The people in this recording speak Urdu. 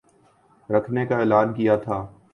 رکھنے کا اعلان کیا تھا